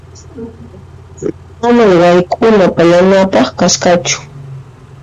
Manan wayk'una pallanapaq kasqachu.